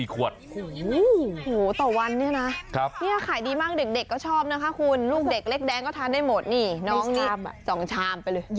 ขวดต่อวันเนี่ยนะขายดีมากเด็กก็ชอบนะคะคุณลูกเด็กเล็กแดงก็ทานได้หมดนี่น้องนี่๒ชามไปเลย